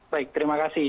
baik terima kasih